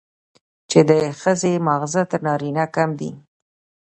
چې د ښځې ماغزه تر نارينه کم دي،